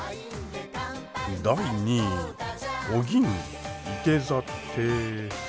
第２位お銀いて座って。